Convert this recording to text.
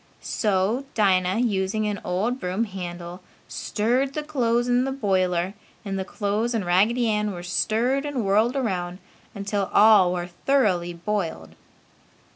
So Dinah, using an old broom handle, stirred the clothes in the boiler and the clothes and Raggedy Ann were stirred and whirled around until all were thoroughly boiled.